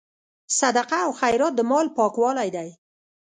صدقه او خیرات د مال پاکوالی دی.